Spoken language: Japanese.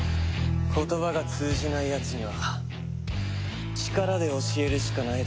言葉が通じないやつには力で教えるしかないだろ。